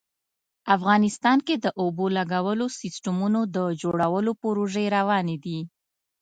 افغانستان کې د اوبو لګولو سیسټمونو د جوړولو پروژې روانې دي